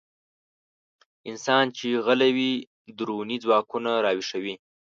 انسان چې غلی وي، دروني ځواکونه راويښوي.